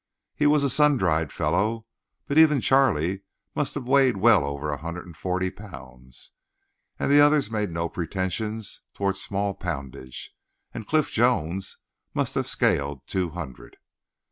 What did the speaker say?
He was a sun dried fellow, but even Charlie must have weighed well over a hundred and forty pounds; the others made no pretensions toward small poundage, and Cliff Jones must have scaled two hundred.